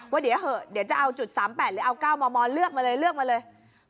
ว่าเดี๋ยวจะเอาจุด๓๘หรือเอา๙มมเลือกมาเลย